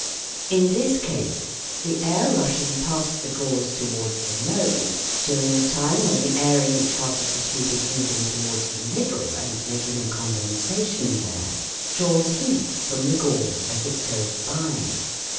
In this case the air rushing past the gauze to wards the node, during the time when the air in each half of the tube is moving towards the middle and making a condensa tion there, draws heat from the gauze as it goes by.